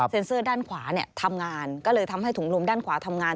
เซอร์ด้านขวาทำงานก็เลยทำให้ถุงลมด้านขวาทำงาน